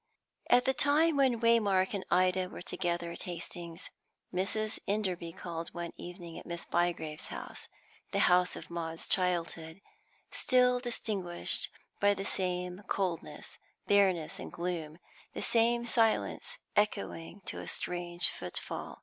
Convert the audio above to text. At the time when Waymark and Ida were together at Hastings, Mrs. Enderby called one evening at Miss Bygrave's house the house of Maud's childhood, still distinguished by the same coldness, bareness and gloom, the same silence echoing to a strange footfall.